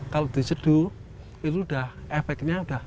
kalau diseduh itu udah efeknya sudah